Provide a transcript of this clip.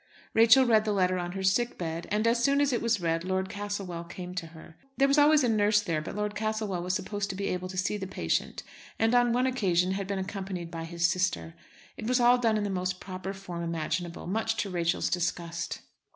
Rachel read the letter on her sick bed, and as soon as it was read Lord Castlewell came to her. There was always a nurse there, but Lord Castlewell was supposed to be able to see the patient, and on one occasion had been accompanied by his sister. It was all done in the most proper form imaginable, much to Rachel's disgust.